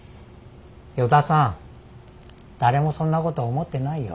依田さん誰もそんなこと思ってないよ。